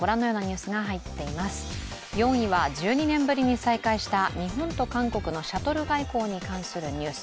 ４位は１２年ぶりに再開した日本と韓国のシャトル外交に関するニュース。